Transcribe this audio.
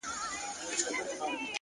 پوهه د انسان تر ټولو اوږدمهاله ملګرې ده,